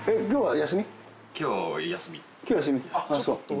今日休み。